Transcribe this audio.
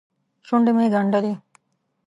شونډې مې ګنډلې.